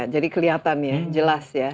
jadi kelihatannya jelas ya